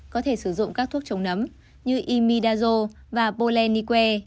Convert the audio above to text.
có thể sử dụng các thuốc chống nấm như imidazole và poleniquae